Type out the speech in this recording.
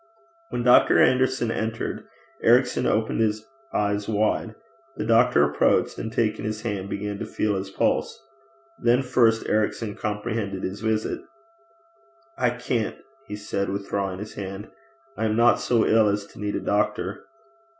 When Dr. Anderson entered, Ericson opened his eyes wide. The doctor approached, and taking his hand began to feel his pulse. Then first Ericson comprehended his visit. 'I can't,' he said, withdrawing his hand. 'I am not so ill as to need a doctor.'